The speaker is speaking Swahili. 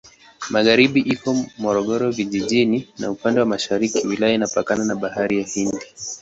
Magharibi iko Morogoro Vijijini na upande wa mashariki wilaya inapakana na Bahari ya Hindi.